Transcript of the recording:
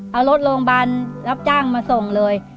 เอารถโรงพยาบาลรับจ้างมาส่งเลย